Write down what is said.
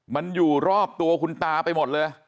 มันอยู่รอบตัวคุณตาไปหมดเลย